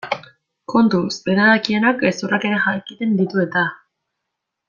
Kontuz, dena dakienak gezurrak ere jakiten ditu eta?